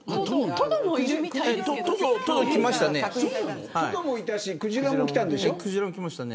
トド、来ましたね。